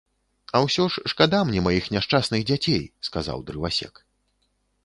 - А ўсё ж шкада мне маіх няшчасных дзяцей! - сказаў дрывасек